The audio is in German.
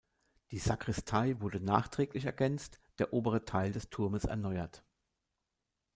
Die Sakristei wurde nachträglich ergänzt, der obere Teil des Turmes erneuert.